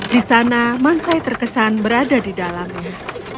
di sana mansai terkesan berada di dalamnya